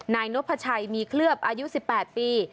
นายนพชัยมีเคลือบอายุ๑๘ปี